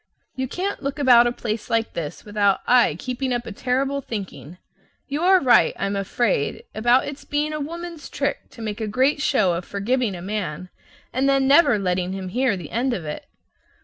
You can't look about a place like this without "aye keeping up a terrible thinking." You are right, I am afraid, about its being a woman's trick to make a great show of forgiving a man, and then never letting him hear the end of it.